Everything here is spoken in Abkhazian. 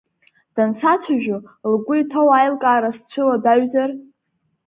Дансацәажәо лгәы иҭоу аилкаара сцәыуадаҩзар?